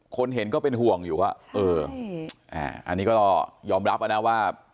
คนเห็นก็เป็นห่วงอยู่อ่ะใช่อ่าอันนี้ก็ยอมรับอ่ะนะว่า